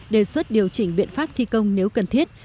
đề xuất điều chỉnh biện pháp thi công nếu cần thiết